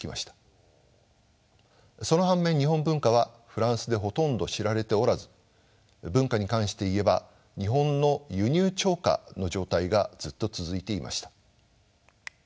その反面日本文化はフランスでほとんど知られておらず文化に関して言えば日本の輸入超過の状態がずっと続いていました。